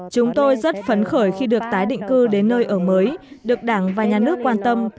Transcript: chúng tôi rất phấn khởi khi được tái định cư đến nơi ở mới được đảng và nhà nước quan tâm